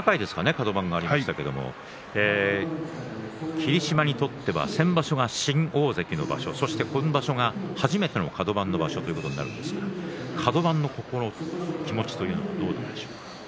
カド番がありましたけれども霧島にとっては先場所が新大関の場所そして今場所が初めてのカド番の場所ということになるんですがカド番の気持ちというのはどうなんでしょうか。